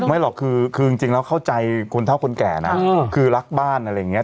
หรอกคือจริงแล้วเข้าใจคนเท่าคนแก่นะคือรักบ้านอะไรอย่างนี้